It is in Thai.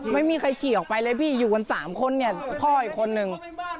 ไม่มีใครขี่ออกไปเลยพี่อยู่กัน๓คนเนี่ยพ่ออีกคนนึง